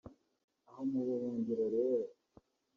Aho mu buhungiro rero